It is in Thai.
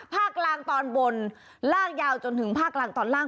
ภาคกลางตอนบนลากยาวจนถึงภาคกลางตอนล่าง